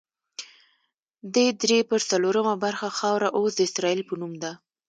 دې درې پر څلورمه برخه خاوره اوس د اسرائیل په نوم ده.